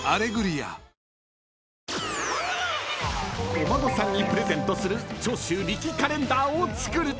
［お孫さんにプレゼントする長州力カレンダーを作る！］